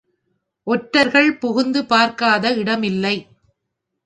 ஒற்றர்கள் புகுந்து பார்க்காத இடமில்லை.